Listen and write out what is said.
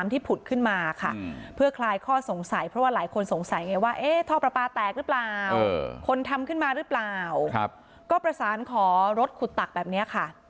ถ้าเปล่าครับก็ประสานขอรถขุดตักแบบเนี้ยค่ะ